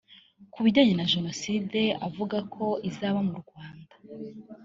Kubijyanye na Jenoside avuga ko izaba mu Rwanda